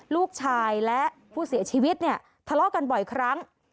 ลูกชายและผู้เสียชีวิตเนี่ยทะเลาะกันบ่อยครั้ง